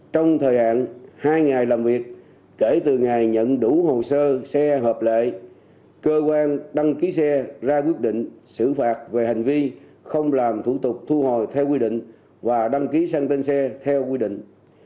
trong thời hạn hai ngày làm việc kể từ ngày nhận đủ hồ sơ xe hợp lệ cơ quan đăng ký xe ra quyết định xử phạt về hành vi không làm thủ tục thu hồi theo quy định và đăng ký sang tên xe theo quy định